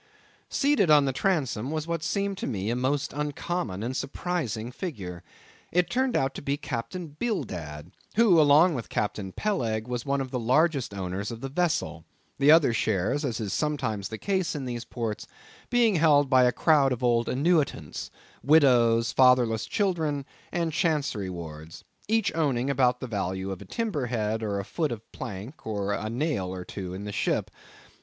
Seated on the transom was what seemed to me a most uncommon and surprising figure. It turned out to be Captain Bildad, who along with Captain Peleg was one of the largest owners of the vessel; the other shares, as is sometimes the case in these ports, being held by a crowd of old annuitants; widows, fatherless children, and chancery wards; each owning about the value of a timber head, or a foot of plank, or a nail or two in the ship.